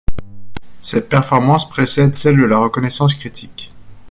Cette performance précède celle de la reconnaissance critique.